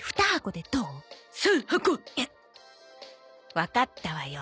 わかったわよ。